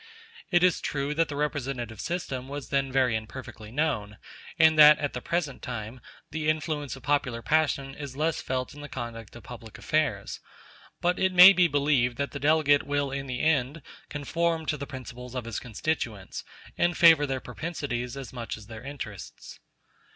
It is true that the representative system was then very imperfectly known, and that, at the present time, the influence of popular passion is less felt in the conduct of public affairs; but it may be believed that the delegate will in the end conform to the principles of his constituents, and favor their propensities as much as their interests.